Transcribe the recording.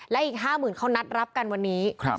และอีกห้าหมื่นเขานัดรับกันวันนี้ครับ